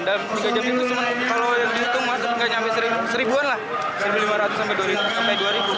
dan tiga jam itu kalau dihitung maksudnya tidak sampai seribuan lah seribu lima ratus sampai dua ribu